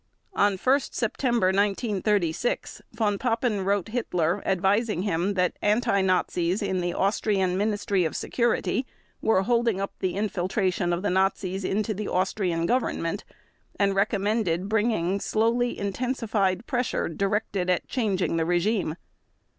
On 1 September 1936 Von Papen wrote Hitler advising him that anti Nazis in the Austrian Ministry of Security were holding up the infiltration of the Nazis into the Austrian Government and recommended bringing "slowly intensified pressure directed at changing the regime".